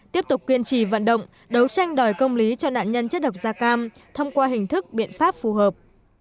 tiếp tục kiên trì vận động đấu tranh đòi công lý cho nạn nhân chất độc da cam thông qua hình thức biện pháp phù hợp